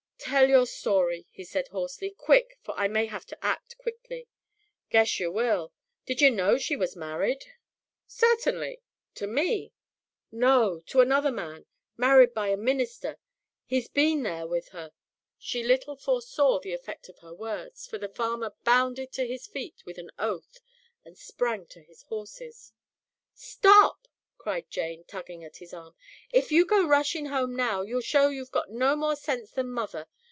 "Tell your story," he said hoarsely, "quick, for I may have to act quickly." "Guess yer will. Did yer know she was married?" "Certainly to me." "No, to another man married by a minister. He's been there with her." She little foresaw the effect of her words, for the farmer bounded to his feet with an oath and sprang to his horses. "Stop!" cried Jane, tugging at his arm. "If you go rushin' home now, you'll show you've got no more sense than mother.